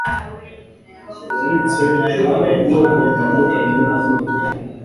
Yabitse ubwoko butandukanye bw'amatungo